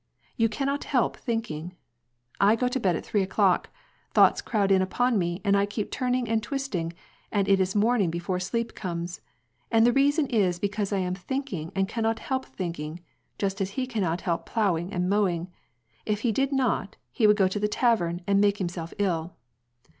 You cannot help thinking. I go to bed at three o'clock ; thoughts crowd in upon me and I keep turning and twisting, and it is morning before sleep comes, and the reason is because I am thinking and cannot help thinking, just as he cannot help plowing and mowing; if he did not he wou^d go to the tavern and make himself ill.